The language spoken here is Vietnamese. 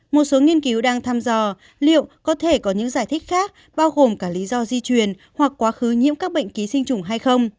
một số nghiên cứu đang thăm dò liệu có thể có những giải thích khác bao gồm cả lý do di truyền hoặc quá khứ nhiễm các bệnh ký sinh trùng hay không